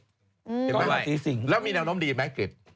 เห็นไหมแล้วมีแนวน้ำดีไหมกริจ